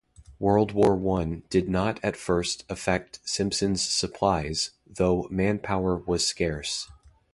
World War One did not at first affect Simpson's supplies, though manpower was scarce.